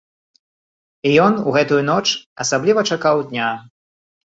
І ён у гэтую ноч асабліва чакаў дня.